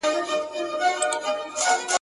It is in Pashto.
• د باغلیو ذخیرې سوې مکتبونه -